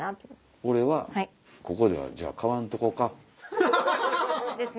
俺はここではじゃあ買わんとこうか。ですね。